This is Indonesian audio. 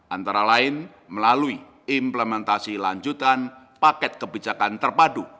antara lain melalui implementasi lanjutan paket kebijakan terpadu